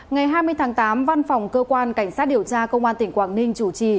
ngày hai mươi tháng tám văn phòng cơ quan cảnh sát điều tra công an tỉnh quảng ninh chủ trì